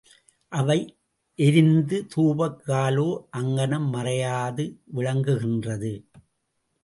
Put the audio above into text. அவை எரிந்த தூபக் காலோ அங்ஙனம் மறையாது விளங்குகின்றது.